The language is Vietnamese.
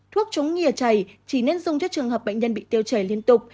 thuốc chống nghìa chảy chỉ nên dùng cho trường hợp bệnh nhân bị tiêu chảy liên tục